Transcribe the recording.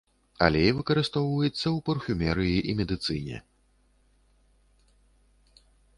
Алей выкарыстоўваецца ў парфумерыі і медыцыне.